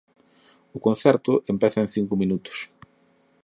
O concerto empeza en cinco minutos.